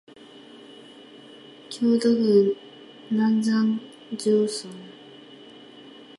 京都府南山城村